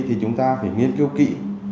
thì chúng ta phải nghiên cứu kỹ